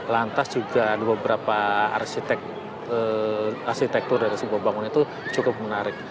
lantas juga ada beberapa arsitektur dari sebuah bangunan itu cukup menarik